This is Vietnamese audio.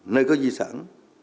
nơi có di sản